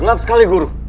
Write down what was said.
gelap sekali guru